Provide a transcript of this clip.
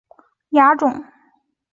暂时在美洲闪鳞蛇下未有其它亚种。